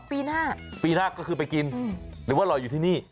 ปีหน้าปีหน้าก็คือไปกินหรือว่ารออยู่ที่นี่